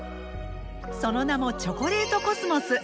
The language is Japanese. その名もチョコレートコスモス。